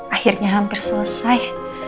akhirnya hampir selesai